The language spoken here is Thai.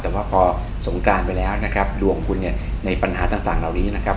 แต่ว่าพอสงการไปแล้วนะครับดวงของคุณเนี่ยในปัญหาต่างเหล่านี้นะครับ